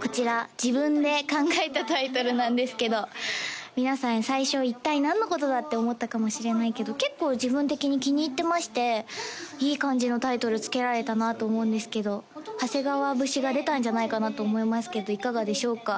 こちら自分で考えたタイトルなんですけど皆さん最初一体何のことだ？って思ったかもしれないけど結構自分的に気に入ってましていい感じのタイトルつけられたなって思うんですけど長谷川節が出たんじゃないかなと思いますけどいかがでしょうか？